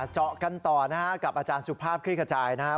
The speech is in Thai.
เจาะกันต่อนะฮะกับอาจารย์สุภาพคลิกขจายนะครับ